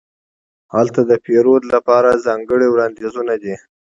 هلته د پیرود لپاره ځانګړې وړاندیزونه دي.